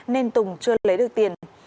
nên tùng chưa lấy được tiền